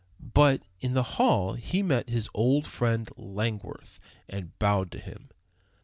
But in the hall he met his old friend Langworth and bowed to him.